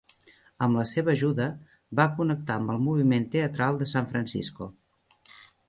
Amb la seva ajuda, va connectar amb el moviment teatral de San Francisco.